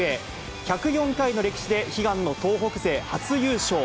１０４回の歴史で、悲願の東北勢初優勝。